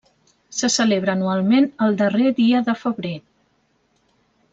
Se celebra anualment el darrer dia de febrer.